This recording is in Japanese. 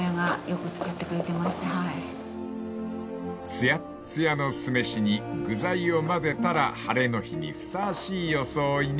［つやっつやの酢飯に具材を混ぜたら晴れの日にふさわしい装いに］